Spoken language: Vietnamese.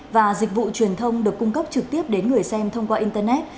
và dịch vụ truyền thông được cung cấp trực tiếp đến người xem thông qua internet